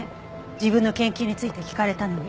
自分の研究について聞かれたのに。